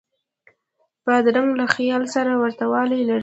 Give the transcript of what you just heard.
بادرنګ له خیار سره ورته والی لري.